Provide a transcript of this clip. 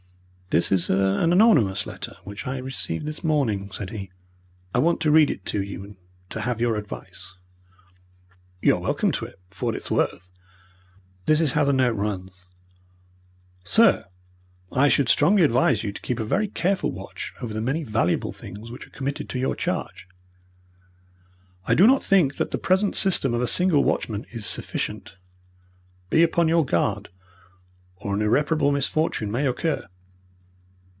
"This is an anonymous letter which I received this morning," said he. "I want to read it to you and to have your advice." "You are very welcome to it for what it is worth." "This is how the note runs: 'Sir, I should strongly advise you to keep a very careful watch over the many valuable things which are committed to your charge. I do not think that the present system of a single watchman is sufficient. Be upon your guard, or an irreparable misfortune may occur.'"